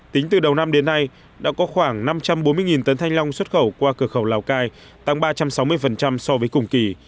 tính từ đầu năm đến nay đã có khoảng năm trăm bốn mươi tấn thanh long xuất khẩu qua cửa khẩu lào cai tăng ba trăm sáu mươi so với cùng kỳ